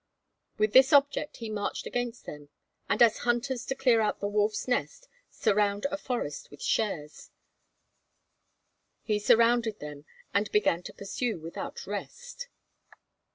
With this object he marched against them; and as hunters to clear out the wolf's nest surround a forest with shares, he surrounded them and began to pursue without rest.